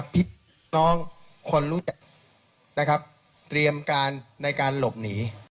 พิสุทธิ์ทางการระบวนการเลย